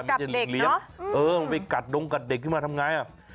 กัดเด็กเนอะอือมันไปกัดดงกัดเด็กขึ้นมาทำอย่างไร